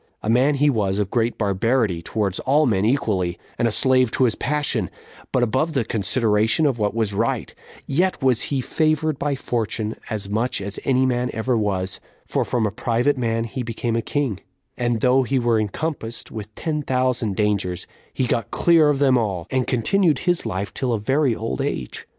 11 A man he was of great barbarity towards all men equally, and a slave to his passion; but above the consideration of what was right; yet was he favored by fortune as much as any man ever was, for from a private man he became a king; and though he were encompassed with ten thousand dangers, he got clear of them all, and continued his life till a very old age.